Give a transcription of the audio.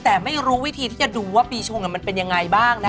แต่ไม่รู้วิธีที่จะดูว่าปีชงมันเป็นยังไงบ้างนะ